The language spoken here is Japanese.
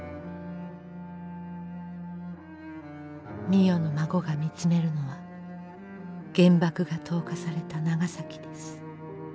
美世の孫が見つめるのは原爆が投下された長崎です。